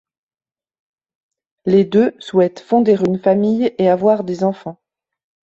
Les deux souhaitent fonder une famille et avoir des enfants.